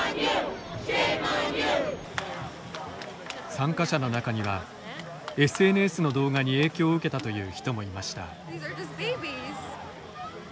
参加者の中にはＳＮＳの動画に影響を受けたという人もいました。